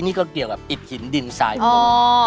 นี่ก็เกี่ยวกับอิดหินดินทรายปู